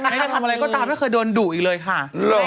ไม่จะทำอะไรก็ตามไม่เคยโดนดุอีกเลยค่ะ